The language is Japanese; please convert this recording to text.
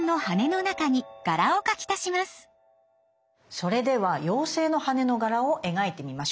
それでは妖精の羽の柄を描いてみましょう。